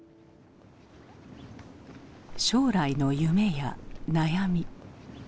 将来の夢や悩み。